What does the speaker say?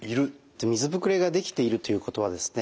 水ぶくれができているということはですね